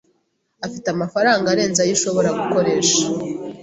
Afite amafaranga arenze ayo ashobora gukoresha.